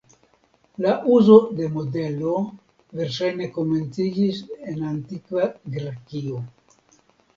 La uzo de la modelo verŝajne komenciĝis en antikva Grekio.